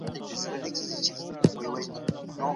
کتابتون څېړنه د سرچینو د پیدا کولو ځای دئ.